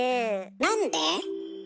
なんで？